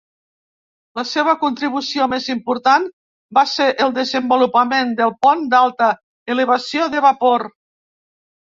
La seva contribució més important va ser el desenvolupament del pont d'alta elevació de vapor.